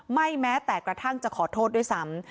แม้แต่กระทั่งจะขอโทษด้วยซ้ำ